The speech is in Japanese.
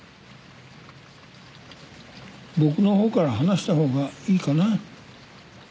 僕の方から話した方がいいかな？